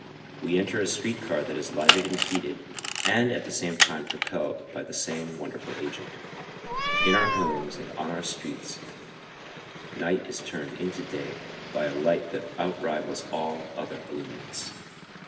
We enter a street car that is lighted and heated, and at the same time propelled by the same wonderful agent. In our homes and on our streets night is turned into day by a light that outrivals all other illuminants.